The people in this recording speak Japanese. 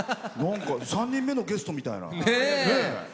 ３人目のゲストみたいな。